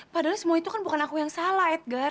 padahal semua itu kan bukan aku yang salah edgar